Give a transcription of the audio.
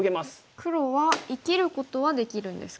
黒は生きることはできるんですか？